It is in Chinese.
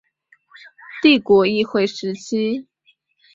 帝国议会时期。